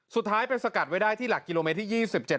สุดท้ายเป็นสกัดไว้ได้ที่หลักกิโลเมตรที่ยี่สิบเจ็ด